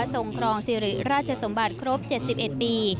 ครองสิริราชสมบัติครบ๗๑ปี